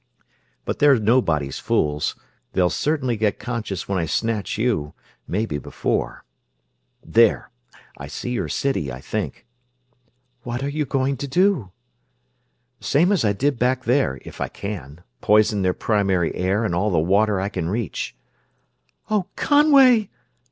But they're nobody's fools they'll certainly get conscious when I snatch you, maybe before ... there, I see your city, I think." "What are you going to do?" "Same as I did back there, if I can. Poison their primary air and all the water I can reach...." "Oh, Conway!"